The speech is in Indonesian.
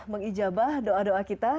mengijabah doa doa kita